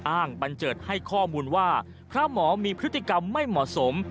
บันเจิดให้ข้อมูลว่าพระหมอมีพฤติกรรมไม่เหมาะสม